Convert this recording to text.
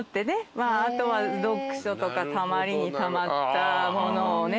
あとは読書とかたまりにたまったものをね。